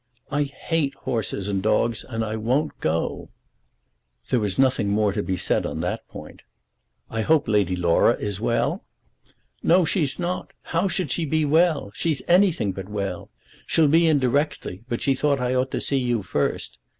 "I hate horses and dogs, and I won't go." There was nothing more to be said on that point. "I hope Lady Laura is well." "No, she's not. How should she be well? She's anything but well. She'll be in directly, but she thought I ought to see you first.